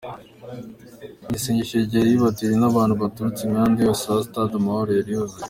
Ni isengesho ryari ryitabiriwe n’abantu baturutse imihanda yose aho Stade Amahoro yari yuzuye.